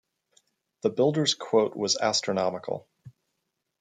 The builder's quote was astronomical.